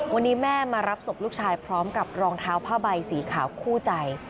วันนี้แม่มารับศพลูกชายพร้อมกับรองเท้าผ้าใบสีขาวคู่ใจ